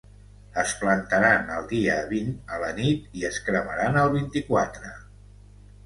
Es plantaran el dia vint a la nit i es cremaran el vint-i-quatre.